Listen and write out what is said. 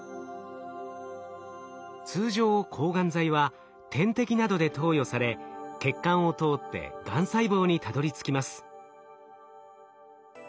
通常抗がん剤は点滴などで投与され血管を通ってがん細胞にたどりつきます。